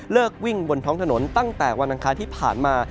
วิ่งบนท้องถนนตั้งแต่วันอังคารที่ผ่านมา